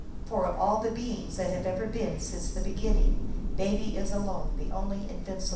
For of all the beings that have ever been since the beginning, Baby is alone the only invincible one.